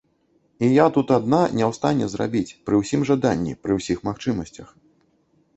І я тут адна не ў стане зрабіць пры ўсім жаданні, пры ўсіх магчымасцях.